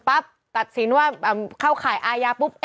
ตัดสินว่าเข้าข่ายอายาปุ๊บ